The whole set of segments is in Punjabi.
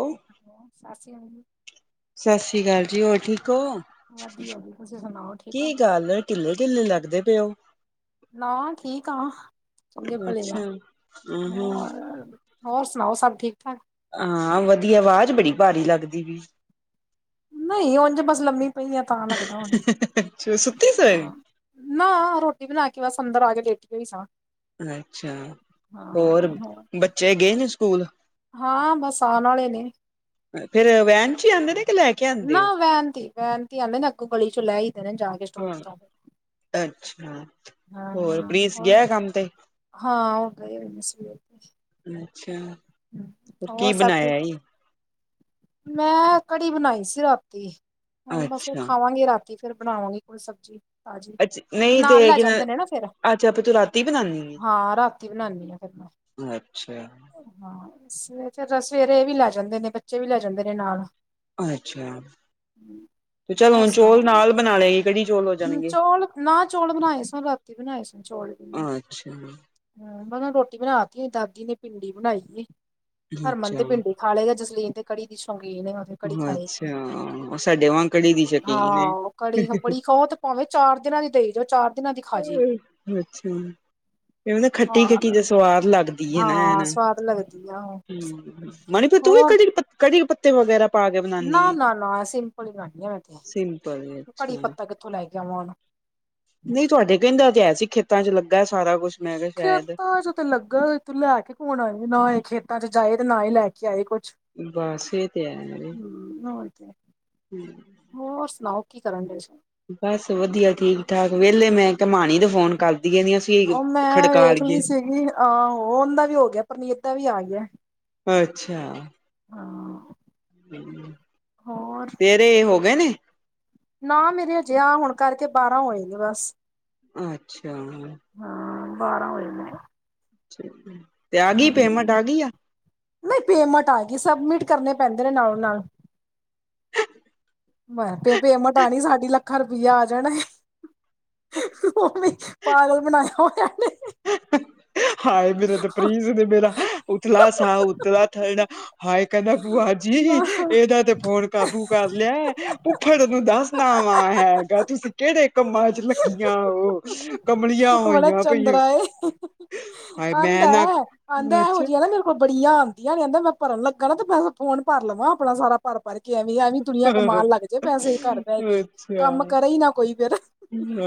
ਉਹ ਹੈਲੋ, ਸਤਿ ਸੀ ਅਕਾਲ। ਸਤਿ ਸ੍ਰੀ ਅਕਾਲ ਜੀ। ਹੋਰ ਠੀਕ ਹੋ। ਵਧੀਆ ਜੀ ਤੁਸੀਂ ਸੁਣਾਓ ਠੀਕ ਹੋ? ਢਿਲੇ- ਢਿਲੇ ਲੱਗਦੇ ਪਏ ਉਹ। ਨਾ, ਠੀਕ ਆ, ਚੰਗੇ ਭਲੇ ਆ ਅੱਛਾ। ਹਮ ਹੋਰ। ਹੋਰ ਸੁਣਾਓ? ਸਭ ਠੀਕ -ਠਾਕ। ਹਾਂ, ਵਧੀਆ ਆਵਾਜ਼ ਬੜੀ ਭਾਰੀ ਲੱਗਦੀ ਪੀ। ਨਹੀਂ, ਉੰਝ ਬਸ ਲੰਮੀ ਪਈ ਆ ਤਾਂ ਲੱਗਦਾ ਹੁਣਾ। ਅੱਛਾ ਸੁੱਤੀ ਸੋਏ? ਹਾਂ, ਨਾ, ਰੋਟੀ ਬਣਾ ਕੇ ਬਸ ਅੰਦਰ ਆ ਕੇ ਲੇਟੀ ਹੋਈ ਸਾ। ਅੱਛਾ। ਹੋਰ ਬੱਚੇ ਗਏ ਨੇ ਸਕੂਲ। ਹਾਂ। ਬਸ ਆਉਣ ਵਾਲੇ ਨੇ। ਫੇਰ ਵੈਨ ਚ' ਹੀ ਆਉਂਦੇ ਨੇ ਕਿ ਲੈ ਕੇ ਆਉਂਦੇ ਨਾ ਹੋ? ਵੈਨ ਤੇ ਵੈਨ ਤੇ ਆਂਦੇ ਨੇ ਅਗੌ ਗਲੀ ਚੋਂ ਲੈ ਆਇਦਾ ਨਾ ਜਾਕੇ। ਹਾਂ। ਅੱਛਾ। ਹੋਰ ਪ੍ਰਿਸ ਹੋਰ ਗਿਆ ਕੰਮ ਤੇ। ਹਾਂ, ਉਹ ਗਏ ਹੋਏ ਨੇ ਸਵੇਰ ਦੇ। ਅੱਛਾ। ਹੋਰ ਹੋਰ ਕੀ ਸਭ ਠੀਕ ਬਣਾਇਆ? ਮੈਂ ਕੜੀ ਬਣਾਈ ਸੀ ਰਾਤੀ। ਹੁਣ ਬਸ ਉਹ ਅੱਛਾ ਖਾਵਾਂਗੇ ਰਾਤੀ ਫੇਰ ਬਣਾਵਾਗੀ ਕੋਈ ਸਬਜ਼ੀ। ਤਾਜੀ। ਅੱਛ ਫੇਰ ਨਹੀਂ ਨਾਲ ਤੇ ਲੈ ਕਿ ਜਾਂਦੇ ਨੇ ਨਾ ਫਿਰ ਅੱਛਾ ਫਿਰ ਤੂੰ ਰਾਤੀ ਬਣਾਉਦੀ ਏ? ਹਾਂ ਰਾਤੀ ਬਣਾਉਦੀ ਆ। ਫਿਰ ਮੈਂ ਅੱਛਾ। ਹਾਂ, ਸਵੇਰੇ ਇਹ ਵੀ ਲੈ ਜਾਂਦੇ ਨੇ ਬੱਚੇ ਵੀ ਲੈ ਜਾਂਦੇ ਨੇ ਨਾਲ। ਅੱਛਾ। ਹੁ। ਤੇ ਚੱਲ ਹੋਰ ਹੁਣ ਚੌਲ ਸੁਣਾਓ? ਨਾਲ ਬਣਾ ਲਏਗੀ ਕੜੀ ਚੌਲ ਹੋ ਜਾਣਗੇ। ਚੋਲ ਨਾ ਚੋਲ ਬਣਾਏ ਸ ਬਣਾਈ ਸੀ ਚੋਲ ਵੀ ਮੈਂ। ਅੱਛਾ, ਹਮ, ਮੈਂ ਰੋਟੀ ਬਣਾ ਤ ਹੋਈ ਦਾਦੀ ਨੇ ਭਿੰਡੀ ਬਣਾਈ ਸੀ। ਹਰਮਨ ਤੇ ਅੱਛਾ, ਭਿੰਡੀ ਥਾਲੇਗਾ। ਜਸਲੀਨ ਤੇ ਕੜੀ ਦੀ ਸ਼ੌਕੀਨ ਆ। ਕੜੀ ਖਏਗੀ। ਅੱਛਾ ਸਾਡੇ ਵਾਂਗ ਕੜੀ ਦੀ ਸ਼ੌਕੀਨ ਏ। ਹਾਂ, ਕੜੀ ਤ' ਬੜੀ ਖੋਕੇ ਭਾਵੇਂ ਚਾਰ ਦਿਨਾਂ ਦੀ ਦੇਈ ਜਾ। ਚਾਰ ਦਿਨਾਂ ਦੀ ਖਾ ਜਾਏਗੀ ਅੱਛਾ। ਕਿ ਨਾ ਖੱਟੀ ਹਾਂ ਖੱਟੀ ਦਾ ਸਵਾਦ ਲੱਗਦਾ। ਦਿਯੇ ਨੋਨ। ਹਾਂ ਸਵਾਦ ਲੱਗਦੀ ਆ ਉਹ ਹਮ, ਮਨੀ ਫ ਤੂੰ ਵੀ ਹੋਰ ਕੜੀ ਕੜੀ ਪੱਤੇ ਵਗੈਰਾ ਪਾ ਕੇ ਨਾ ਬਣਾਨੀ ਏ। ਨਾ ਨਾ, ਸਿੰਪਲ ਹੀ ਬਨਾਨੀ ਆ ਮੈਂ ਤੇ ਸਿੰਪਲ ਕੜੀ ਅੱਛਾ ਪੱਤਾ ਕਿੱਥੋਂ ਲੈ ਕੇ ਆਵਾਂ ਹੁਣ ਨਹੀਂ ਤੁਹਾਡੇ ਕਹਿੰਦਾ ਤੇ ਐ ਸੀ ਖੇਤਾਂ ਚ ਲੱਗਾ ਸਾਰਾ ਕੁਛ। ਮੈਂ ਕਿਹਾ ਸ਼ਾਇਦ ਖੇਤਾਂ ਚ ਤੇ ਲੱਗਾ ਤੇ ਲੈ ਕੇ ਕੌਣ ਆਏ ਨਾ ਹੀ ਖੇਤਾਂ ਚ ਜਾਏ ਤੇ ਨਾ ਹੀ ਲੈ ਕੇ ਆਏ ਕੁਛ। ਬਸ ਇਹ ਤੇ ਹੈ [unintelligible] [unintelligible] ਹੋਰ ਸੁਣਾਓ ਕੀ ਕਰਨ ਡੇ? ਬਸ ਵਧੀਆ ਠੀਕ ਠਾਕ ਵਿਹਲੇ ਮੈਂ ਕਮਾਣੀ ਦੇ ਫੋਨ ਕਰਦੀ ਰਹਿਣੀ ਉਹ ਮੈਂ ਵੇਖ ਲਈ ਸੀਗੀ ਅਹ ਉਹ ਦਾ ਵੀ ਹੋ ਗਿਆ ਪਰਨੀਤ ਦਾ ਵੀ ਆ ਗਿਆ। ਅੱਛਾ। ਹਾਂ। ਹੋਰ ਤੇਰੇ ਹੋ ਗਏ ਨੇ? ਨਾ ਮੇਰੇ ਅਜਿਹਾ ਹੋਣ ਕਰਕੇ ਬਾਰਾਂ ਹੋਏ ਨੇ ਬਸ। ਅੱਛਾ। ਹਾਂ ਬਾਰਾਂ ਹੋਏ ਨੇ। [inaudible] ਪੇਮੈਂਟ ਆ ਗਈ ਆ? ਨਈ ਪੇਮੈਂਟ ਆਗੀ ਸਬਮਿਟ ਕਰਨੇ ਪੈਂਦੇ ਨੇ ਨਾਲੋਂ ਨਾਲ। ਪੈਮੇਂਟ ਆਣੀ ਸਾਡੀ ਲਾ ਲੱਖ ਰੁਪਈਆਂ ਆ ਜਾਣਾ ਓਵੇਂ ਪਾਗਲ ਬਣਾਇਆ ਹੋਇਆ ਇਹਨੇ। ਹਾਏ ਮੇਰੇ ਤੇ ਪ੍ਰੀਜ਼ ਨੇ ਮੇਰਾ ਉਤਲਾ ਸਾਹ ਉਤਲਾ ਥਰਡਾ ਹਾਏ ਕਹਿੰਦਾ ਬੂਆ ਜੀ ਨਾ ਇਹਦਾ ਤੇ ਫੋਨ ਕਾਬੂ ਕਰ ਲਿਆ ਐ ਭੁੱਫੜ ਨੂੰ ਦੱਸਣਾ ਵਾਂ ਹੈਗਾ ਤੁਸੀਂ ਕਿਹੜੇ ਕੰਮਾਂ 'ਚ ਲੱਗੀਆਂ ਉਹ ਕਮਲੀਆਂ ਬੜਾ ਹੋਈਆਂ ਪੀ ਓ। ਚੰਦਰਾ ਏ। ਆਂਦਾ ਆਂਦਾ ਇਹੋ ਅੱਛਾ ਜਿਹਾ ਮੇਰੇ ਕੋਲ ਬੜੀਆਂ ਆਂਦੀਆਂ ਨੇ ਕਹਿੰਦਾ ਮੈਂ ਭਰਨ ਲੱਗਾ ਨਾ ਤੇ ਮੈ ਫੋਨ ਭਰ ਲਵਾਂ ਆਪਣਾ ਸਾਰਾ। ਭਰ-ਭਰ ਕੇ ਐਵੇਂ ਐਵੀ ਦੁਨੀਆਂ ਕਮਾਣ ਲੱਗ ਜੇ ਪੈਸੇ ਘਰ ਬਹਿ ਕੇ ਈ ਕੰਮ ਕਰੇ ਈ ਨਾ ਕੋਈ ਫਿਰ। ਆ,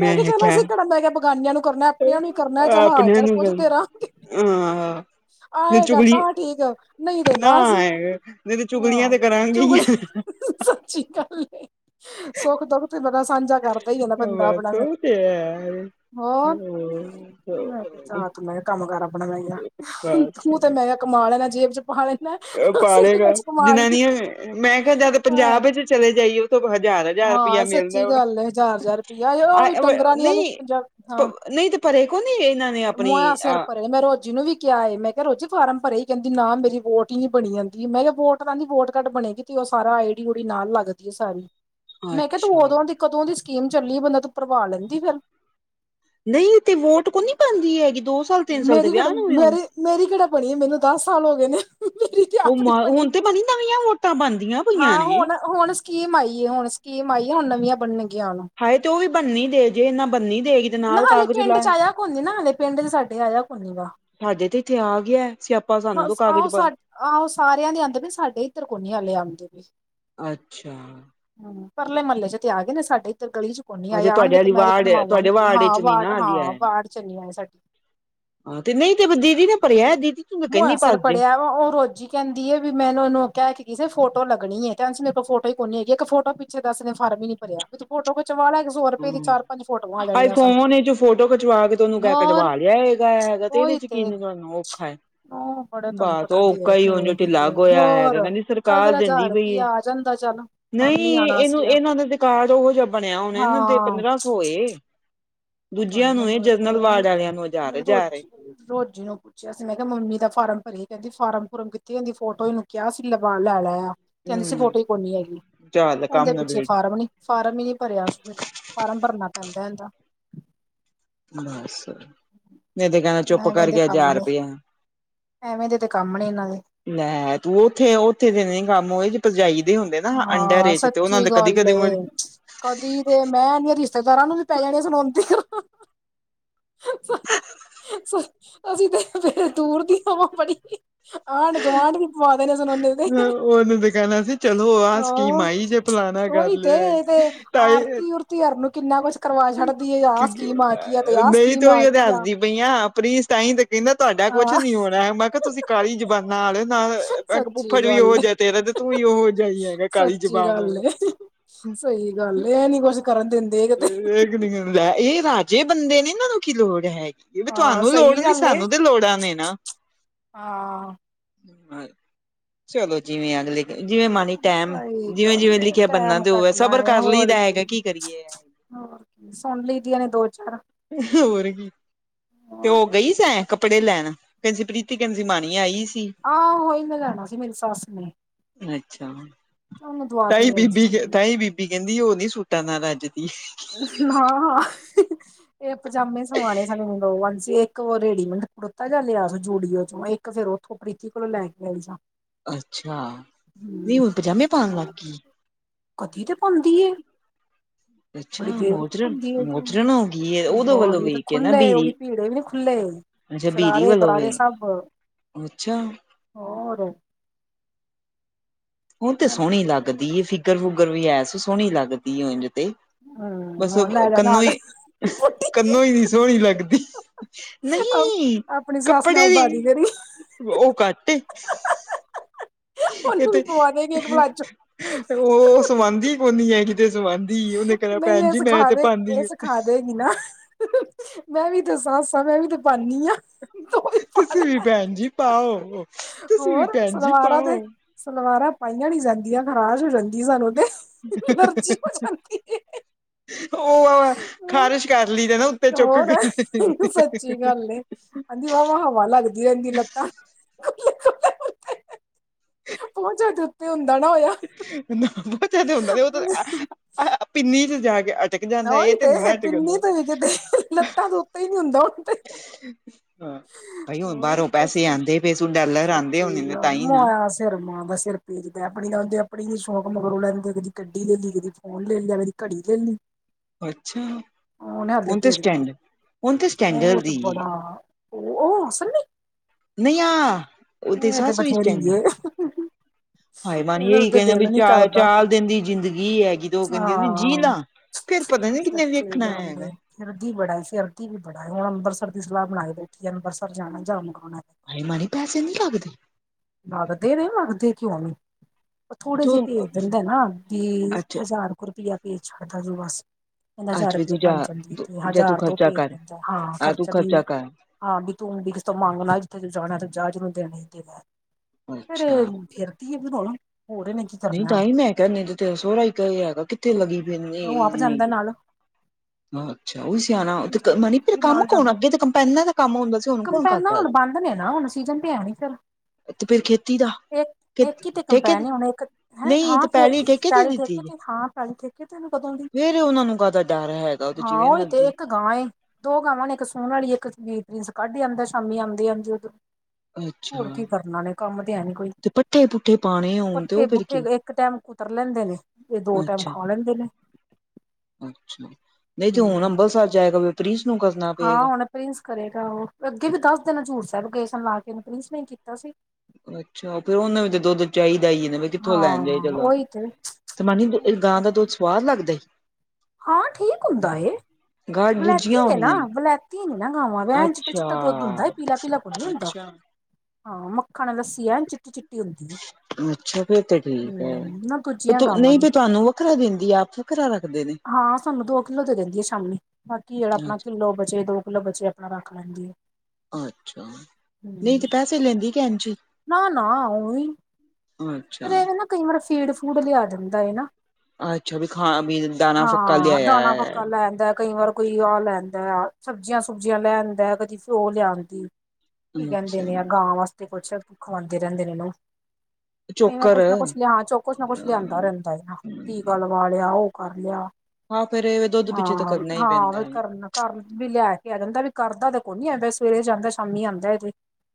ਮੈਂ ਕਿਹਾ ਚਲੋ ਅਸੀ ਕਿਹੜਾ ਮੈ ਕਿਹਾ ਬੇਗਾਨੀਆਂ ਨੂੰ ਕਰਨਾ ਕੁੜੀਆਂ ਨੂੰ ਈ ਕਰਨਾ ਚੱਲ ਆਪਣੇ ਹਾਲ-ਚਾਲ ਨੂੰ ਪੁੱਛ ਦੇ ਰਹਾਗੇ, ਹਾਂ ਨਹੀਂ ਆਏਗਾ ਚੁਗਲੀ ਤਾਂ ਠੀਕ ਨਹੀਂ ਤੇ ਨਾ ਅਸੀਂ ਆਏਗਾ ਹਾਂ, ਚੁਗਲ ਸੱਚੀ ਗੱਲ ਏ। ਸੁੱਖ-ਦੁੱਖ ਤੇ ਬੰਦਾ ਸਾਂਝਾ ਕਰਦਾ ਈ ਐ ਨਾ ਬੰਦਾ ਆਪਣਾ ਬਸ ਫੇਰ। ਉਹ ਤੇ ਹੈ। ਹੋਰ ਮੈਂ ਤੇ ਜਾ ਤੂੰ ਮੈਂ ਕਿਹਾ ਕੰਮ ਕਰ ਆਪਣਾ ਮੈ‌ ਕਿਆ ਬਸ ਤੂੰ ਤੇ ਮੈਂ ਕਿਹਾ ਕਮਾ ਲੈਣਾ ਜੇਬ 'ਚ ਪਾ ਲੇ ਪਾਲੇਗਾ ਜਨਾਨੀਆਂ ਮੈਂ ਕਿਹਾ ਜਦ ਹਾਂ ਪੰਜਾਬ ਵਿੱਚ ਚਲੇ ਜਾਈਏ ਹਜ਼ਾਰ ਹਜ਼ਾਰ ਰੁਪਇਆ ਹਾਂ, ਮਿਲਦਾ ਸੱਚੀ ਗੱਲ ਐ ਹਜ਼ਾਰ-ਹਜ਼ਾਰ ਰੁਪਈਆ ਯਾਰ ਉਹ ਵੀ ਵਾ ਡੰਗਰਾਂ [unintelligible] ਨਹੀਂ ਹਾਂ, ਨਹੀਂ ਤੇ ਪਰੇ ਕੋ ਨੀ ਇਹਨਾਂ ਨੇ ਆਪਣੀ ਮੋਆ ਸਿਰ ਪਰੇ ਮੈਂ ਰੋਜ਼ੀ ਨੂੰ ਵੀ ਕਿਆ ਏ ਮੈਂ ਕਿਹਾ ਰੋਜੀ ਫਾਰਮ ਭਰੇ ਈ ਕਹਿੰਦੀ ਨਾ ਮੇਰੀ ਵੋਟ ਈ ਨੀ ਬਣੀ ਕਹਿੰਦੀ ਮੈਂ ਕਿਹਾ ਵੋਟ ਦਾ ਨੀ ਵੋਟ ਬਣੇਗੇ ਤੇ ਉਹ ਸਾਰਾ ਆਈ ਡੀ ਓਈ ਡੀ ਨਾਲ ਲੱਗਦੀ ਏ ਸਾਰੀ। ਮੈਂ ਕਿਹਾ ਤੂੰ ਅੱਛਾ ਉਦੋਂ ਦੀ ਕਦੋਂ ਦੀ ਸਕੀਮ ਚੱਲੀ ਬੰਦਾ ਤੂੰ ਭਰਵਾ ਲੈਂਦੀ ਫੇਰ। ਨਈ ਤੇ ਵੋਟ ਕੋਣੀ ਪਾਂਦੀ ਹੈਗੀ ਦੋ ਸਾਲ ਤਿੰਨ ਸਾਲ ਦੇ ਮੇਰੀ ਕਿਹੜਾ ਵਿਆਹ ਨੂੰ ਓਏ ਹੁਣ। ਮੇਰੀ ਮੇਰੀ ਕਿਹੜਾ ਬਣੀ ਏ ਮੈਨੂੰ ਦਸ ਸਾਲ ਹੋ ਗਏ ਨੇ। ਮੇਰੀ ਤੇ ਆਪ ਨੀ ਹੁਣ ਤੇ ਬਣੀ ਨਵੀਆਂ ਵੋਟਾਂ ਬਣਦੀਆਂ ਪਈਆਂ ਹਾਂ ਨੇ। ਹੁਣ ਹੁਣ ਸਕੀਮ ਆਈਏ, ਹੁਣ ਸਕੀਮ ਆਈਏ, ਹੁਣ ਨਵੀਆਂ ਬਣਨਗੀਆਂ ਹੁਣ। ਹਾਏ, ਤੇ ਉਹ ਵੀ ਬੰਨੀ ਦੇ ਜੇ ਇਨਾ ਬੰਨੀ ਦੇਗੀ। ਤੇ ਨਾ ਨਾਲ ਹਾਲੇ ਕਾਗਜ਼ ਪਿੰਡ 'ਚ ਲਾ ਆਇਆ ਕੋ ਨੀ ਨਾ ਹਾਲੇ ਪਿੰਡ 'ਚ ਸਾਡੇ ਆਇਆ ਕੋ ਨੀ ਗਾ। ਸਾਡੇ ਤੇ ਇੱਥੇ ਆ ਗਿਆ ਸਿਆਪਾ ਸਾਨੂੰ ਦੋ ਬਸ ਕਾਗਜ਼ ਆਹੋ ਪਾ ਸਾ ਆਹੋ ਸਾਰਿਆਂ ਦੇ ਆਂਦੇ ਨੇ ਸਾਡੇ ਏਧਰ ਕੋ ਨੀ ਹਲੇ ਆਂਦੇ। ਅੱਛਾ। ਹੂੰ, ਪਰਲੇ ਮਹੱਲੇ 'ਚ ਤੇ ਆ ਗਏ ਨੇ ਨਾ ਸਾਡੇ ਇੱਧਰ ਗਲੀ 'ਚ ਕੋ ਨੀ ਆਏ ਹਜੇ ਤੁਹਾਡੇ ਆਣਗੇ ਤੇ ਵਾਲੀ ਮੈਂ ਤੇ ਵਾਰਡ ਬਣਵਾਲਾ ਤੁਹਾਡੇ ਵਾਰਡ ਹਾਂ ਵਿੱਚ ਨੀ ਵਾੜ, ਨਾ ਹਾਲੀ ਹਾਂ ਆਇਆ ਵਾੜ, ਚ ਨੀ ਆਏ ਸਾਡ ਹਾਂ ਤੇ, ਨਹੀਂ ਤੇ ਦੀਦੀ ਨੇ, ਭਰਿਆ ਐ। ਦੀਦੀ ਤੂੰ ਤੇ ਕਹਿੰਦੀ ਮੁਹਾਸਿਰ ਭਰਦੇ ਪੜਿਆ ਵਾ, ਉਹ ਰੋਜੀ ਕਹਿੰਦੀ ਏ ਵੀ। ਮੈਨੂੰ ਉਹਨੂੰ, ਕ ਕਿਹਾ ਕੇ, ਗਈ ਸੀ ਫੋਟੋ ਲੱਗਣੀ ਏ। ਕਹਿਣ ਸੀ। ਮੇਰੇ ਕੋਲ ਫੋਟੋ ਹੀ, ਕੋਈ ਨੀ ਹੈਗੀ। ਇੱਕ ਫੋਟੋ ਪਿੱਛੇ, ਦੱਸ ਸਨੇ ਫਾਰਮ ਹੀ, ਨੀ ਭਰਿਆ। ਵੇ ਤੁ ਫੋਟੋ ਖਿਚਵਾ ਲੇ, ਇੱਕ ਸੌ ਰੁਪਏ ਦੀ ਚਾਰ, ਪੰਜ ਫੋਟੋ ਆਈ ਫੋਨ ਇਚੋ ਫੋਟੋ ਖਿਚਵਾ ਕੇ, ਤੁ ਉਹਨੂੰ ਕਹਿ ਹੋਰ ਕਢਵਾ ਲਿਆ ਹੈਗਾ। ਤੇ ਇਹਦੇ ਚ ਕੀ ਨੇ, ਤੁਹਾਨੂੰ ਖਾ ਉਹ ਬੜੇ ਤੁਹਾਨੂੰ ਬਸ ਪਤਾ ਉਹ, ਤੇ ਹੈ ਉੱਕਾ ਹੀ, ਉਂਜ ਕਿਵੇਂ ਦੀ ਟਿੱਲਾ ਹੈ ਗੋਯਾ ਹੈਗਾ। ਹੋਰ ਕਹਿੰਦੀ ਚੱਲ ਸਰਕਾਰ ਜਰਾ ਦਿੰਦੀ ਹਜ਼ਾਰ ਪਈ ਐ। ਰੁਪਈਆ ਆ ਜਾਂਦਾ ਚੱਲ ਕੰਮ ਹੀ ਨਹੀਂ ਆਣਾ ਇਹਨੂੰ, ਸੀ ਇਹਨਾਂ ਦੇ ਤੇ ਕਾਰਡ ਉਹੋ ਜਿਹਾ ਬਣਿਆ ਹੋਣਾ ਇਹ। ਤੇ, ਹਾਂ ਪੰਦਰਾਂ ਸੌ ਏ। ਪਤਾ ਨੀ ਦੂਜਿਆਂ ਨੂੰ ਇਹ, ਮੈਨੂੰ ਜਨਰਲ ਵਾਰਡ ਵਾਲਿਆਂ ਨੂੰ, ਹਜਾਰ- ਹਜਾਰ ਐ। ਸੋਚ ਲੋ। ਪੁੱਛਿਆ ਸੀ, ਮੈਂ ਕਿਹਾ ਮੰਮੀ ਦਾ ਫਾਰਮ ਭਰਿਆ ਈ। ਕਹਿੰਦੀ ਫਾਰਮ- ਫੁਰਮ, ਕੀਤੇ, ਕਹਿੰਦੀ ਫੋਟੋ ਨੂੰ ਕਿਹਾ ਸੀ। ਲਗਾਨ, ਲੈ ਲੈ ਕਹਿੰਦੀ ਸੀ। ਹੂੰ ਫੋਟੋ ਹੀ ਕੋਨੀ ਹੈਗੀ, ਚੱਲ ਕੰਮ ਉਹਦੇ ਪਿੱਛੇ ਨਿਬੇੜ ਫਾਰਮ ਨੀ ਫਾਰਮ ਹੀ, ਨਹੀਂ ਭਰਿਆ ਉਸਨੇ, ਫਾਰਮ ਭਰਨਾ ਪੈਂਦਾ ਇਹਦਾ। ਬਸ ਮੈਂ ਤੇ ਕਹਿੰਦਾ, ਚੁੱਪ ਐਵੇਂ ਦੇ ਕਰਕੇ ਕੰਮ ਹਜਾਰ ਨੇ ਰੁਪਇਆ ਐਵੇਂ ਦੇ ਤੇ ਕੰਮ ਨੇ ਇਹਨਾਂ ਦੇ ਮੈ ਤੂੰ, ਉੱਥੇ, ਉੱਥੇ ਦੇ ਦਈ ਕੰਮ ਹੋ ਪਰਜਾਈ ਦੇ ਹੁੰਦੇ ਨਾ। ਅੰਡਰ ਹਾਂ ਏਜ ਚ, ਤੇ ਉਹਨਾਂ ਸੱਚੀ ਦੇ ਕਦੀ ਗੱਲ ਕਦੇ ਏ ਕਦੀ ਤੇ ਮੈਂ, ਮੇਰੇ ਰਿਸ਼ਤੇਦਾਰਾਂ ਨੂੰ ਵੀ, ਪੈ ਜਾਣੀਆਂ ਸੁਣਾਉਂਦੀ ਸਾਡੇ, ਅਸੀਂ ਤੇ ਫੇਰ, ਦੂਰ ਦੀਆ ਵਾਂ, ਬੜੀ। ਆਂਢ- ਗੁਆਂਢ ਵੀ ਪੁਆ ਦੇਣੇ ਸੀ। ਉੰਨੇ ਉਹਨੂੰ ਤਾਂ, ਕਹਿਣਾ ਸੀ ਚਲੋ। ਆਹ ਸਕੀਮ ਹਾਂ ਆਈ, ਜੇ ਫਲਾਨਾ ਕਰ ਉਹੀ ਤੇ ਲਿਆ। ਇਹ ਤੇ ਤਾਈ ਆਰਤੀ- ਉਰਤੀ, ਯਰ ਨੂੰ ਕਿੰਨਾ ਕੁਛ ਕਰਵਾ, ਛੱਡਦੀ ਐ, ਆਹ ਸਕੀਮ ਆ ਗਈ ਹੈ। ਤੇ ਆਹ ਨਹੀਂ ਤੇ ਸਕੀਮ ਉਹੀ ਆ ਯੋ ਗਈ ਆ ਹੱਸਦੀ ਪਈਆਂ, [unintelligible] ਤਾਈ ਤੇ ਕਹਿੰਦਾ ਤੁਹਾਡਾ ਕੁਛ ਹਾਂ ਨੀ ਹੋਣਾ ਐ, ਮੈਂ ਕਿਹਾ ਤੁਸੀਂ ਕਾਲੀ ਜ਼ੁਬਾਨਾਂ ਆਲੇ। ਨਾ ਇਕ ਸੱਚੀ ਭੁੱਫੜ ਵੀ ਗੱਲ ਉਹ ਏ ਜਿਹਾ। ਤੇਰਾ ਤੇ ਤੂੰ ਵੀ, ਉਹ ਜਿਹਾ ਹੀ ਹੈਗਾ। ਕਾਲੀ ਸੱਚੀ ਜੁਬਾਨ ਗੱਲ ਏ ਸਹੀ ਗੱਲ ਐ, ਇਹ ਨੀ ਕੁੱਝ ਕਰਨ ਦਿੰਦੇ ਕਿਤੇ ਨ ਲੈ ਇਹ ਰਾਜੇ ਬੰਦੇ ਨੇ, ਇਹਨਾਂ ਨੂੰ ਕੀ ਲੋੜ ਹੈਗੀ। ਇਹ ਵੀ ਹਾਂ ਤੁਹਾਨੂੰ ਲੋੜ ਸਹੀ ਨੀ, ਗੱਲ ਏ ਸਾਨੂੰ ਤੇ ਲੋੜਾਂ ਨੇ ਨਾ। ਹਾਂ ਹਾਂਜੀ। ਚਲੋ ਜਿਵੇਂ ਅਗਲੇ ਜਿਵੇਂ ਮਾਣੀ ਟੈਮ, ਸਹੀ ਜਿਵੇਂ- ਗੱਲ ਜਿਵੇਂ ਏ ਲਿਖਿਆ ਬੰਨਾ ਟੈਮ ਦੇ, ਹੋ ਕੱਟਣਾ ਸਬਰ ਹੈ ਕਰ ਲਈ ਹੋਰ ਦਾ ਹੈਗਾ ਕੀ ਕਰੀਏ। ਹੋਰ, ਸੁਣ ਲਈ ਦੀਆਂ, ਨੇ ਦੋ ਚਾਰ। ਹੋਰ ਕੀ, ਤੇ ਹੋਰ ਉਹ ਗਈ ਸੈ। ਕੱਪੜੇ ਲੈਣ। ਕਹਿੰਦੀ, ਪ੍ਰੀਤੀ ਕਹਿੰਦੀ ਮਾਣੀ ਆਈ ਸੀ। ਆਹੋ ਏਨੇ ਲੈਣਾ ਸੀ। ਮੇਰੀ ਸੱਸ ਨੇ। ਅੱਛਾ, ਤੇ ਉਹਨੂੰ ਦਵਾ ਕੇ ਤਾਈ ਲਿਆਈ ਬੀਬੀ, ਸਾਂਗੀ ਤਾਈ ਬੀਬੀ ਕਹਿੰਦੀ ਉਹ ਨੀ, ਸੂਟਾ ਨਾਲ ਰੱਜ ਦੀ। ਨਾ ਹਾ, ਇਹ ਪਜਾਮੇ ਸਵਾਣੇ ਸਾਨੇ, [unintelligible] ਸੀ। ਇੱਕ ਉਹ ਰੇਡੀਮੇਡ, ਕੁੜਤਾ ਜਾ ਲਿਆ ਸੀ। ਜੋੂੜਓ ਚੋਂ, ਇੱਕ ਫੇਰ ਉਥੋਂ, ਪ੍ਰੀਤੀ ਕੋਲੋਂ, ਲੈ ਕੇ ਆਈ ਸਾ। ਅੱਛਾ। ਨਹੀਂ ਹੁਣ, ਪਜਾਮੇ ਪਾਣ ਲੱਗ ਗਈ ਏ। ਕਦੀ ਦੇ, ਪਾਂਦੀ ਏ। ਅੱਛਾ ਬੜੀ ਦੇਰ ਤੇ ਮੋਜਰਨ ਪਹੁੰਦੀ, ਓਹ ਤੇ। ਮੋਜਰਨ ਹੋ ਗਈ ਹੈ ਉਹਦੋਂ ਵੱਲੋਂ ਬੜੀ ਤੇ ਵੇਖ ਕੇ ਨਾ ਖੁੱਲੇ, ਉਹੀ ਬੀਰੀ ਭੀੜੇ ਵੀ ਨੀ ਖੁੱਲੇ। ਅੱਛਾ ਬੀਰੀ ਸ਼ਰਾਰੇ, ਵੱਲੋਂ ਪਰਾਰੇ ਵੇਖ ਸਭ, ਅੱਛਾ, ਹੋਰ। ਉਹ ਤੇ, ਸੋਹਣੀ ਲੱਗਦੀ ਏ। ਫਿਗਰ- ਫੁਗਰ ਵੀ ਹੈ ਸੁ, ਸੋਹਣੀ ਲੱਗਦੀ ਉਂਝ ਤੇ। ਬਸ ਹਮ ਲੈ ਉਹ, ਜਾ ਕੰਨੋਂ ਨਾਲ ਹੀ, ਕੰਨੋਂ ਹੀ ਨੀ ਸੋਹਣੀ ਲੱਗਦੀ। ਨਹੀਂ ਆਪਣੀ ਸੱਸ ਨਾਲ ਕੱਪੜੇ ਦੀ। ਬਾਦੀ ਕਰੀ ਉਹ ਘੱਟ ਏ। ਇਹ ਉਹਨੂੰ ਵੀ ਤੇ, ਪਵਾ ਦੇਗੀ ਇੱਕ ਬਲਾਚੋ ਉਹ ਸਵਾਦੀ ਕੋਈ ਨੀ। ਹੈ ਕਿਤੇ [unintelligible] ਉਹਨੇ ਕਹਿਣਾ ਨਹੀਂ ਭੈਣ ਇਹ ਜੀ, ਮੈਂ ਸਿਖਾ ਤੇ ਦੇ ਪਾਂਦੀ ਇਹ [unintelligible] ਨਾ ਮੈਂ ਵੀ, ਤੇ ਸੱਸ ਹਾਂ, ਮੈਂ ਵੀ ਤੇ ਪਾਣੀ ਹਾਂ। ਤੁਸੀਂ ਵੀ ਭੈਣ ਜੀ ਪਾਓ ਤੁਸੀਂ ਵੀ ਹੋਰ ਭੈਣ ਜੀ ਸਲਵਾਰਾਂ ਪਾਓ। ਤੇ ਸਲਵਾਰਾਂ ਪਾਈਆਂ ਨੀ ਜਾਂਦੀਆਂ ਨਾਰਾਜ਼ ਹੋ ਜਾਂਦੀ ਏ ਸਾਨੂੰ ਤੇ ਐਲਰਜੀ ਹੋ ਜਾਂਦੀ ਉਹ ਆ ਹੈ ਖ਼ਾਰਸ਼ ਕਰ ਲਈ ਤੇ ਨਾ ਉੱਤੇ ਚੁੱਕ ਕੇ ਨੇ ਹਾਂਜੀ ਹੋ ਹਵਾ ਲੱਗਦੀ ਰਹਿੰਦੀ ਲਤਾ ਪਜਦੇ [unintelligible] ਉੱਤੇ ਹੁੰਦਾ ਨਾ ਹੋਇਆ। ਨਾ ਪੋੰਚਾ ਤੇ ਹੁੰਦਾ ਨੀ, ਉਹ ਤੇ। ਪਿੰਨੀ ਚ ਜਾ ਕੇ ਅਟਕ ਜਾਂਦਾ ਉਹੀ ਇਹ ਨੀ ਤੇ ਨਾ ਪਿੰਨੀ ਅਟਕਦਾ ਤੇ ਵੀ ਲੱਤਾਂ ਤੋਂ ਉੱਤੇ ਹੀ ਨਹੀਂ ਹੁੰਦਾ ਹੁਣ ਤੇ ਹਾਂ ਭਾਈ ਹੁਣ ਹੋਰ ਬਾਹਰੋਂ ਕੁਛ ਪੈਸੇ ਤੇ ਆਉਂਦੇ ਪਏ ਸੋ ਡਾਲਰ ਆਉਂਦੇ ਸੱਚੀ ਹੋਣੇ ਨੇ ਤਾਂ ਗੱਲ ਹੀ ਨਾ ਮੁਆ ਸਿਰ ਮਾਂ ਦਾ ਸਿਰ ਭੇਜ ਆਪਣੀ ਗੱਲ ਤੇ ਆਪਣੀ ਸ਼ੌਂਕ ਮਗਰੋਂ ਲੈ ਕਦੀ ਗੱਡੀ ਲੈ ਲਈ ਕਦੀ ਫੋਨ ਲੈ ਲਿਆ ਕਦੀ ਘੜੀ ਤੇ ਵੀ ਨਹੀਂ ਅੱਛਾ। ਉਹ ਅਲੇ ਹੁਣ ਤੇ ਭੇਜਦਾ ਸਟੈਂਡ ਹੁਣ ਤੇ ਉਹ ਸਟੈਂਡਰਡ ਤੇ ਦੀ ਬੜਾ ਉਹ ਉਸ ਨੇ ਨਹੀਂ ਆ ਉਹਦੀ ਏ ਤੇ ਸੱਸ ਵੀ ਥੋੜੀ ਸਟੈਂਡਰਡ ਦੇਰ ਹਾਏ ਮਾਣੀ ਇਹਦਾ ਇਹੀ ਕਹਿੰਦੇ ਬ ਚਾਰ ਚਾਰ ਦਿਨ ਦੀ ਜ਼ਿੰਦਗੀ ਹੈਗੀ ਤੇ ਉਹ ਕਹਿੰਦੀ ਜੀ ਨਾ ਹਾਂ ਫਿਰ ਪਤਾ ਨੀ ਕਿੰਨੇ ਸੱਚੀ ਵੇਖਣਾ ਗੱਲ ਹੇਗਾ ਏ ਫਿਰਦੀ ਬੜਾ ਫਿਰਦੀ ਵੀ ਬੜਾ ਹੈ ਅੰਮ੍ਰਿਤਸਰ ਦੀ ਸਲਾਹ ਬਣਾ ਕੇ ਬੈਠੀਏ ਅੰਮ੍ਰਿਤਸਰ ਜਾਣਾ ਜਾਮ ਕਰਉਣਾ। ਹਾਏ ਮਾੜੀ ਪੈਸੇ ਨਹੀਂ ਲੱਗਦੇ। ਲਗਦੇ ਨੇ ਲਗਦੇ ਕਿਉਂ ਨਹੀਂ। ਉਹ ਥੋੜੇ ਜਿਹੇ ਤੂੰ ਭੇਜ ਦਿੰਦਾ ਨਾ ਵੀ ਅੱਛਾ ਹਜ਼ਾਰ ਕੁ ਰੁਪਇਆ ਭੇਜ ਛੱਡਦਾ ਜੋ ਬਸ ਦਾ ਹਜ਼ਾਰ ਅੱਜ ਵੀ ਰੁਪਇਆ ਤੂੰ ਜਾ ਬਣ ਜਾਂਦਾ ਇਥੇ ਜਾ ਤੂੰ ਹਜ਼ਾਰ ਤੋਂ ਖਰਚਾ ਭੇਜ ਕਰ ਦੇਦਾ ਹਾਂ ਆ ਤੂੰ ਖਰਚਾ ਵੀ ਕਰ ਹਾਂ ਵੀ ਤੂੰ ਵੀ ਕਿਤੋਂ ਮੰਗਣਾ ਜਿੱਥੇ ਤੂੰ ਜਾਣਾ ਤੇ ਜਜ ਨੂੰ ਦੇਣਾ ਹੀ ਦੇਣਾ ਦੇ ਲੈ ਫਿਰ ਅੱਛਾ ਯਕੀਨ ਤੁਹਾਨੂੰ ਹੋ ਰਹੇ ਨੇ ਨਹੀਂ ਤਾਈ ਮੈਂ ਕਹਿੰਦੀ ਤੇ ਤੇਰਾ ਸੋਹਰਾ ਹੀ ਇਹ ਹੈਗਾ ਕਿੱਥੇ ਲੱਗੀ ਫਿਰਨੀ ਉਹ ਆਪ ਜਾਂਦਾ ਨਾਲ ਅੱਛਾ ਉ ਸਿਆਣਾ ਉਹ ਤੇ ਮਨੀ ਫਿਰ ਕੰਮ ਕੌਣ ਅੱਗੇ ਤੇ ਕੰਪੈਨਾ ਦਾ ਕੰਮ ਹੁੰਦਾ ਸੀ। ਹੁਣ ਕੌਣ ਕੰਪਹਿਨਾ ਕਰਦਾ। ਹੁਣ ਬੰਦ ਨੇ ਨਾ ਹੁਣ ਸੀਜਨ ਤੇ ਹੇ ਨਹੀ ਫਿਰ ਤੇ ਫਿਰ ਖੇਤੀ ਦਾ ਇੱਕ ਕਿ ਇੱਕ ਹੀ ਤੇ ਠੇਕੇ ਕੰਪੈਨ ਹੁਣ ਇੱਕ ਹੈਂ ਨਹੀਂ ਤੇ ਪਹਿਲੀ ਠੇਕੇ ਦੀ ਦਿੱਤੀ ਹੈ। ਹਾਂਜੀ ਕੀ ਤੈਨੂੰ ਪਤਾ ਹੁਣੇ ਫਿਰ ਉਹਨਾਂ ਨੂੰ ਕਾਦਾ ਡਰ ਹੈਗਾ ਉਹ ਤੇ ਹਾਂ ਜਿਵੇਂ ਉਹੀ ਤੇ ਮਰਜੀ ਇੱਕ ਗਾਵ ਏ ਦੋ ਗਾਵਾਂ ਨੇ ਇੱਕ ਸੋਹਨ ਵਾਲੀ ਇੱਕ ਸੰਗੀਤ ਕੱਢ ਆਉਂਦਾ ਸ਼ਾਮੀ ਆਦੇ ਆਦੇ ਉਧਰ ਅੱਛਾ। ਹੋਰ ਕੀ ਕਰਨਾ ਕੰਮ ਤੇ ਐ ਨੀ ਕੋਈ ਪੱਠੇ ਤੇ ਪਾਣੇ ਹੋ ਪੱਠੇ, ਪੁੂੱਠੇ ਇੱਕ ਟੈਮ ਕੁਤਰ ਲੈਂਦੇ ਨੇ ਇਹ ਦੋ ਟਾਈਮ ਅੱਛਾ ਖਾ ਲੈਂਦੇ ਨੇ ਅੱਛਾ ਨਹੀਂ ਤੇ ਹੁਣ ਹੂੰ ਅੰਮ੍ਰਿਤਸਰ ਜਾਏਗਾ ਵੀ ਪ੍ਰਿੰਸ ਨੂੰ ਕਰਨਾ ਹਾਂ ਪਏਗਾ। ਹੁਣ ਪ੍ਰਿੰਸ ਕਰੇਗਾ ਉਹ ਅੱਗੇ ਵੀ ਦਸ ਦਿਨ ਹਜੂਰ ਸਾਹਿਬ ਗਏ ਸੀ ਲਾ ਕੇ ਪ੍ਰਿੰਸ ਨੇ ਕੀਤਾ ਸੀ। ਅੱਛਾ ਫਿਰ ਉਹਨੂੰ ਵੀ ਦੁੱਧ ਚਾਹੀਦਾ ਹੀ ਨਾ ਕਿੱਥੋਂ ਹਾਂ ਲੈਣ ਜਾ ਚਲੋਂ ਉਹੀ ਤੇ ਤੇ ਮਨੀ ਗਾਂ ਦਾ ਦੁੱਧ ਸਵਾਦ ਲੱਗਦਾ ਹਾਂ ਠੀਕ ਹੁੰਦਾ ਏ। ਗਾਡ ਵਲੈਤੀ ਦੂਜੀਆਂ ਨੇ ਨਾ ਹੋਣੀਆਂ ਵਲੈਤੀ ਹੀ ਨਾ ਐ ਚਿੱਟਾ ਅੱਛਾ। ਚਿੱਟਾ ਦੁੱਧ ਹੁੰਦਾ ਪੀਲਾ ਪੀਲਾ ਕੋਈ ਨਹੀਂ ਹੁੰਦਾ। ਅੱਛਾ ਹਾਂ ਮੱਖਣ ਨਾਲ ਲੱਸੀ ਹੈ ਚਿੱਟੀ ਚਿੱਟੀ ਹੁੰਦੀ ਹੈ। ਅੱਛਾ ਫਿਰ ਤੇ ਠੀਕ ਹੈ ਹਮ ਨਾ ਦੂਜੀਆਂ ਗਾਵਾਂ ਨਹੀਂ ਨੇ ਤੁਹਾਨੂੰ ਵੱਖਰਾ ਦਿੰਦੀ ਆ ਆਪ ਵੱਖਰਾ ਰੱਖਦੇ ਨੇ ਹਾਂ ਸਾਨੂੰ ਦੋ ਕਿੱਲੋ ਦੇ ਦਿੰਦੀਏ ਸ਼ਾਮੀ ਬਾਕੀ ਆਪਣਾ ਕਿੱਲੋ ਬਚੇ ਦੋ ਕਿੱਲੋ ਬਚੇ ਆਪਣਾ ਰੱਖ ਲੈਂਣ ਹੈ ਅੱਛਾ ਨਹੀਂ ਹਮ ਤੇ ਪੈਸੇ ਲੈਂਦੀ ਕ ਐਣ ਜੀ ਨਾ ਨਾ ਓਨ ਅੱਛਾ ਪਰ ਇਹ ਨਾ ਕਈ ਵਾਰ ਫੀਡ ਫੂਡ ਲਿਆ ਜਾਂਦਾ ਹੈ ਨਾ ਅੱਛਾ ਵੀ ਖਾ ਵੀ ਦਾਣਾ ਫੱਕਾ ਹਾਂ ਲਿਆਇਆ ਦਾਣਾ ਹੈ। ਪੱਕਾ ਲੈ ਆਂਦਾ ਕਈ ਹੋਰ ਕੋਈ ਆ ਲੈਂਦਾ ਸਬਜ਼ੀਆਂ ਸੁਬਜ਼ੀਆਂ ਲੈ ਆਦਾ ਕਦੀ ਫਿਰ ਉਹ ਲਿਆਉਦੀ। ਕੀ ਕਹਿੰਦੇ ਅੱਛਾ ਨੇ, ਆ ਗਾਂ ਵਾਸਤੇ ਕੁਛ ਖਵਾਂਦੇ ਰਹਿੰਦੇ ਨੇ ਇਹਨੂੰ ਕਈ ਮੈਂ ਚੋਕਰ ਕੁਛ ਨਾ ਕੁਛ ਲਿਆ ਚੋ, ਕੁਛ ਨਾ ਕੁਛ ਲਿਆ। ਦਾ ਰਹਿੰਦਾ ਹੈ ਨਾ, ਟੀਕਾ ਲਵਾ ਲਿਆ ਉਹ ਕਰ ਲਿਆ। ਹਾਂ ਫੇਰ ਇਹ ਦੁੱਧ ਪਿੱਛੇ ਤਾਂ ਹਾਂ- ਕਰਨਾ ਹੀ ਹਾਂ, ਪੈਂਦਾ ਓਏ ਹੈ। ਕਰਨ ਘਰ ਵੀ ਲਿਆ ਕੇ ਆ ਜਾਂਦਾ ਵੀ, ਕਰਦਾ ਤੇ ਕੋਈ ਨੀ ਆਂ, ਸਵੇਰੇ ਜਾਂਦਾ ਸ਼ਾਮੀ ਆਂਦਾ ਤੇੇ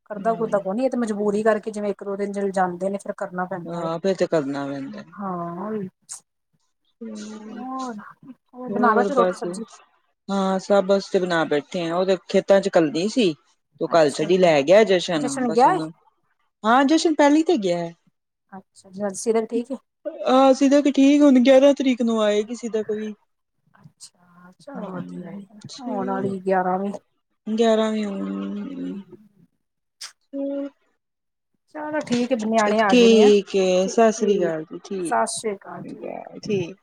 ਕਰਦਾ ਕੁਰਦਾ ਕੋਈ ਨੀ, ਇਹ ਤੇ ਮਜਬੂਰੀ ਕਰਕੇ ਜਿਵੇਂ ਇੱਕ ਦੋ ਦਿਨ ਚੱਲ ਜਾਂਦੇ ਨੇ ਫਿਰ। ਕਰਨਾ ਪੈਂਦਾ ਹੈ ਹਾਂ ਫੇਰ ਤੇ ਕਰਨਾ ਪੈਂਦਾ। ਹਾਂ ਵੀ ਹੂ ਬਣਾ ਹੋਰ ਬੈਠੇ ਰੋਟੀ ਬਸ ਸਬਜ਼ੀ ਹਾਂ ਸਭ ਵਾਸਤੇ ਬਣਾ ਬੈਠੇ ਆ ਉਹ ਤਾਂ ਖੇਤਾਂ ਚ ਕੱਲੀ ਸੀ। ਤੂੰ ਕੱਲ੍ਹ ਅੱਛਾ ਛੱਡੀ, ਲੈ ਗਿਆ ਏ ਜਸ਼ਨ ਨਾ ਬਸ ਗਿਆ ਏ ਉਹਨੂੰ। ਹਾਂ ਜਸ਼ਨ ਕੱਲ੍ਹ ਈ ਤੇ ਗਿਆ। ਅੱਛਾ ਸੀਰਤ ਠੀਕ ਏ ਆਹ ਸੀਧਾ ਕ ਠੀਕ, ਹੁਣ ਗਿਆਰਾਂ ਤਰੀਕ ਨੂੰ ਆਏਗੀ ਸਿਦਾ ਕੋਈ। ਅੱਛਾ ਚੱਲ ਵਧੀਆ ਏ, ਆਉਣ ਵਾਲੀ ਏ ਗਿਆਰਾਂ ਵੀ। ਗਿਆਰਾਂ ਵੀ ਊਂ-ਊਂ ਹੂੰ, ਚਲੋ ਠੀਕ ਹੈ ਨਿਆਣੇ ਆ ਗਏ ਨੇ ਹੈ, ਠੀਕ ਐ, ਠੀਕ ਸਸ ਰੀ ਠੀਕ ਕਾਲ ਜੀ, ਸਤਿ ਸ੍ਰੀ ਅਕਾਲ ਠੀਕ ਐ ਠੀਕ।